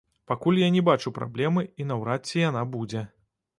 Пакуль я не бачу праблемы і наўрад ці яна будзе.